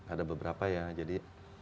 ada beberapa ya jadi